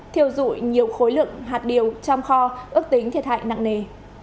thiêu dụi nhiều khối lượng hạt điều trong kho ước tính thiệt hại nặng nề